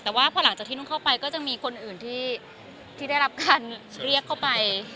แต่ว่าพอหลังจากที่นุ่งเข้าไปก็จะมีคนอื่นที่ได้รับการเรียกเข้าไป